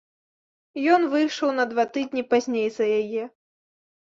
Ён выйшаў на два тыдні пазней за яе.